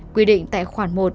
quy định tại khoản một